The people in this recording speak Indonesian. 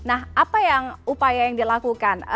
apa upaya yang dilakukan